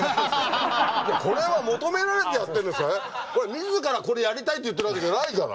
自らこれやりたいって言ってるわけじゃないから。